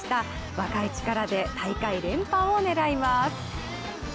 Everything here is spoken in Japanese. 若い力で大会連覇を狙います。